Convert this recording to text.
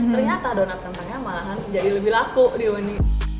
ternyata donut kentangnya malahan jadi lebih laku di uni